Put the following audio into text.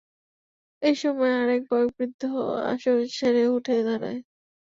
এ সময় আরেক বয়োবৃদ্ধ আসন ছেড়ে উঠে দাঁড়ায়।